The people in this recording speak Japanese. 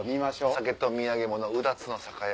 「酒とみやげ物うだつの酒屋」。